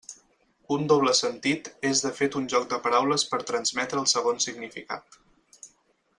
Un doble sentit és de fet un joc de paraules per transmetre el segon significat.